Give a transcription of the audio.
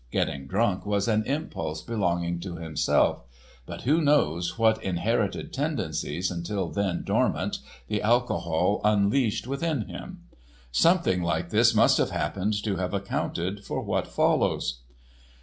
Getting drunk was an impulse belonging to himself; but who knows what "inherited tendencies," until then dormant, the alcohol unleashed within him? Something like this must have happened to have accounted for what follows.